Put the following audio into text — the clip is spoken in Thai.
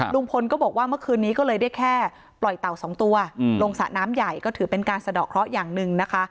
ลุงพลก็บอกว่าเมื่อคืนนี้ก็เลยได้แค่ปล่อยเต่าสองตัวลงสระน้ำใหญ่ก็ถือเป็นการสะดอกเคราะห์อย่างหนึ่งนะคะ